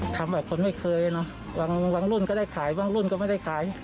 คนไม่เคยเนอะบางรุ่นก็ได้ขายบางรุ่นก็ไม่ได้ขาย